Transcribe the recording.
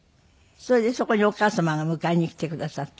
それでそこにお母様が迎えに来てくださった？